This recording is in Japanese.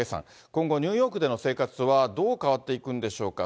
今後、ニューヨークでの生活はどう変わっていくんでしょうか。